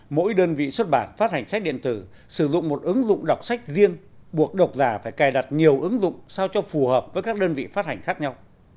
mỗi đơn vị xuất bản phát hành sách điện tử sử dụng một ứng dụng đọc sách riêng buộc độc giả phải cài đặt nhiều ứng dụng sao cho phù hợp với các đơn vị phát hành khác nhau